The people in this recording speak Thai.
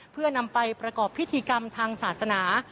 เพื่อนำไปประกอบพิธีกรรมทางศาสนา